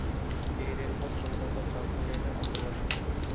এ রেলপথ কলকাতা চক্ররেল-এর অন্তর্গত।